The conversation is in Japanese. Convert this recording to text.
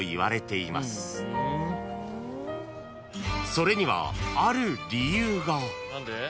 ［それにはある理由が］